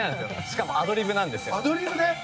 しかもアドリブなんですよ。